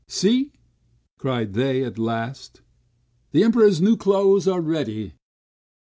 "See!" cried they, at last. "The Emperor's new clothes are ready!"